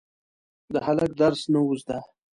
د هلک درس نه و زده.